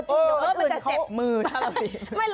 เออจิบเดี๋ยวคนอื่นก็จะเจ็บมือถ้าเราบีบ